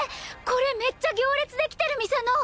これめっちゃ行列できてる店の！